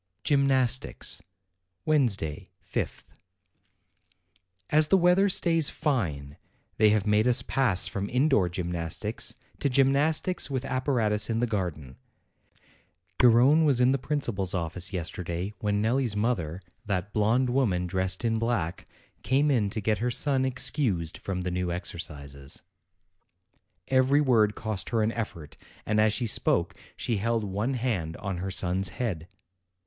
GYMNASTICS Wednesday, 5th. As the weather stays fine, they have made us pass from indoor gymnastics to gymnastics with ap paratus in the garden. Gar rone was in the principal's office yesterday when Nelli's mother, that blonde woman dressed in black, came in to get her son excused from the new exercises. Every word cost her an effort; and as she spoke, she held one hand on her son's head.